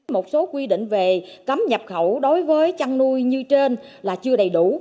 một số quy định về cấm nhập khẩu đối với chăn nuôi như trên là chưa đầy đủ